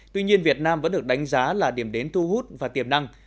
tuy nhiên việt nam vẫn được đánh giá là điểm đến thu hút và tiềm năng